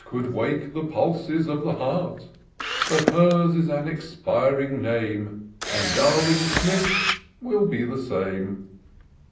Could wake the pulses of the heart; But her's is an expiring name. And darling Smith's will be the same.